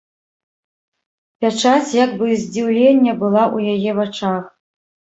Пячаць як бы здзіўлення была ў яе вачах.